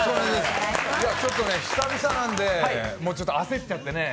ちょっと久々なんで、ちょっと焦っちゃってね。